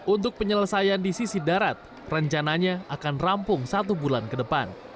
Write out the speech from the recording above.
untuk penyelesaian di sisi darat rencananya akan rampung satu bulan ke depan